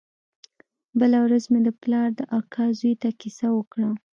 بله ورځ مې د پلار د اکا زوى ته کيسه وکړه.